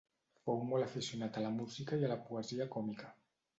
Fou molt aficionat a la música i a la poesia còmica.